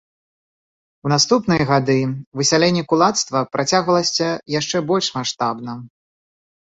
У наступныя гады высяленне кулацтва працягвалася яшчэ больш маштабна.